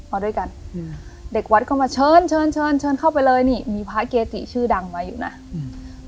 มาด้วยกันอืมเด็กวัดก็มาเชิญเชิญเชิญเชิญเข้าไปเลยนี่มีพระเกจิชื่อดังไว้อยู่น่ะอืม